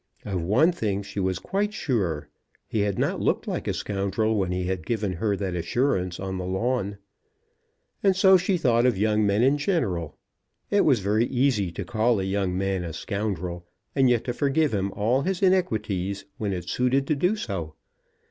Of one thing she was quite sure; he had not looked like a scoundrel when he had given her that assurance on the lawn! And so she thought of young men in general. It was very easy to call a young man a scoundrel, and yet to forgive him all his iniquities when it suited to do so.